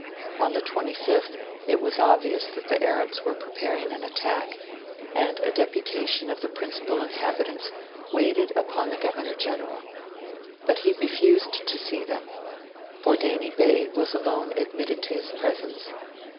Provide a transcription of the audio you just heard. On the 25th, it was obvious that the Arabs were preparing an attack, and a deputation of the principal inhabitants waited upon the Governor General. But he refused to see them; Bordeini Bey was alone admitted to his presence.